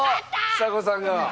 ちさ子さんが。